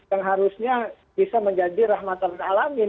yang harusnya bisa menjadi rahmatan alamin